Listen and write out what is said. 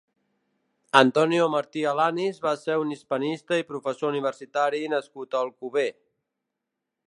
Antonio Martí Alanis va ser un hispanista i professor universitari nascut a Alcover.